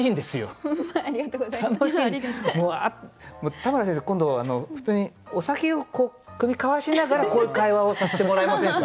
田村先生今度普通にお酒を酌み交わしながらこういう会話をさせてもらえませんか？